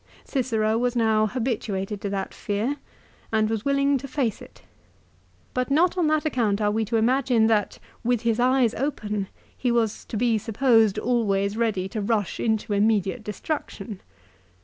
Cicero was now habituated to that fear, and was willing to face it. But not on that account are we to imagine that, with his eyes open, he was to be supposed always ready to rush into immediate destruction.